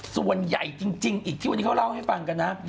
ส่วนใหญ่จริงอีกที่วันนี้เขาเล่าให้ฟังกันนะ